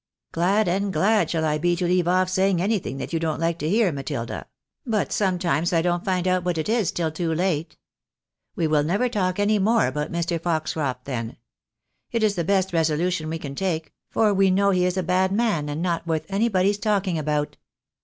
" Glad and glad shall I be to leave off saying anything that you don't Uke to hear, Matilda ; but sometimes I don't find out what it is till too late. We will never talk any more about Mr. Foxcroft then. It is the best resolution we can take, for we know he is a bad man, and not worth anybody's talking about."